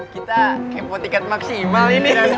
kita kepotikan maksimal ini